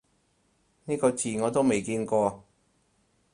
呢個字我都未見過